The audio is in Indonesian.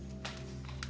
pak pak pak